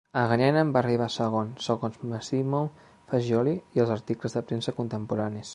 Agagianian va arribar segon, segons Massimo Faggioli i els articles de premsa contemporanis.